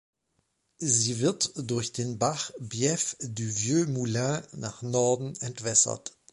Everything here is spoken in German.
Sie wird durch den Bach "Bief du Vieux Moulin" nach Norden entwässert.